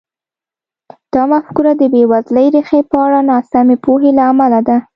دا مفکوره د بېوزلۍ ریښې په اړه ناسمې پوهې له امله ده.